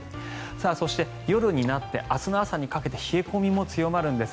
そして、夜になって明日の朝にかけて冷え込みも強まるんです。